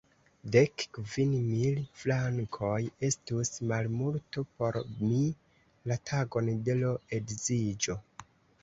Dek kvin mil frankoj estus malmulto por mi, la tagon de l' edziĝo.